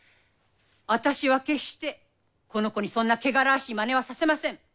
私は決してこの子にそんなけがらわしいマネはさせません。